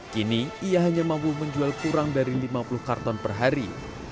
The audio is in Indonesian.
kini ia hanya mampu menjual kurang dari lima puluh karton per hari